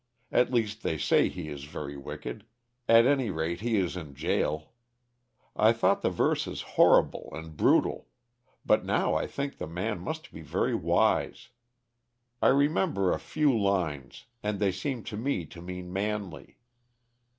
At least, they say he is very wicked at any rate, he is in jail. I thought the verses horrible and brutal; but now I think the man must be very wise. I remember a few lines, and they seem to me to mean Manley.